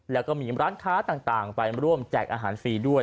แล้วก็มีร้านค้าต่างไปร่วมแจกอาหารฟรีด้วย